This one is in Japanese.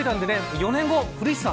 ４年後、古市さん